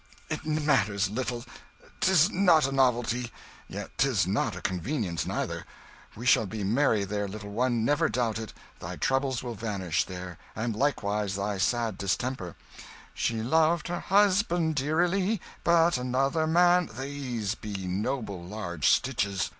... It matters little 'tis not a novelty yet 'tis not a convenience, neither. ... We shall be merry there, little one, never doubt it! Thy troubles will vanish there, and likewise thy sad distemper "'She loved her husband dearilee, But another man ' "These be noble large stitches!"